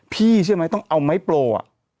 พี่ใช่ไหมต้องเอาไม้โปรอ่ะ